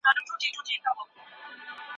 سبا څوک نه دی لیدلی.